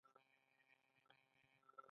د کرونا د نښو لپاره کوم چای وڅښم؟